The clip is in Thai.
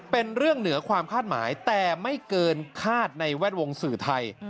เป็นเรื่องเหนือความคาดหมายแต่ไม่เกินคาดในแวดวงสื่อไทย